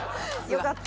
よかった。